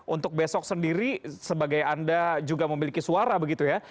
untuk besok sendiri sebagai anda juga memiliki suara begitu ya